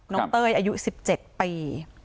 เต้ยอายุ๑๗ปี